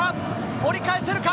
折り返せるか？